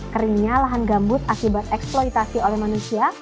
keringnya lahan gambut akibat eksploitasi oleh manusia